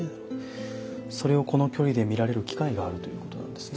それをこの距離で見られる機会があるということなんですね。